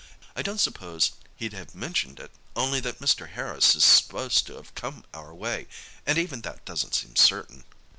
I don't suppose he'd have mentioned it, only that Mr. Harris is supposed to have come our way, and even that doesn't seem certain."